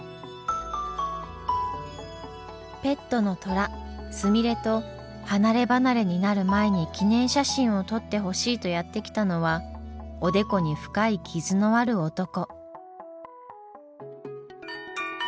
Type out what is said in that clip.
ペットのトラすみれと離れ離れになる前に記念写真を撮ってほしいとやって来たのはおでこに深い傷のある男。